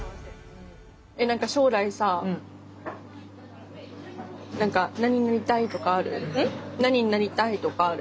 何か将来さ何になりたいとかある？